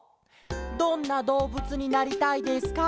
「どんなどうぶつになりたいですか？